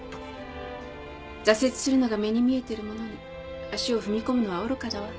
挫折するのが目に見えてるものに足を踏み込むのは愚かだわ。